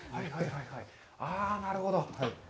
ああ、なるほど。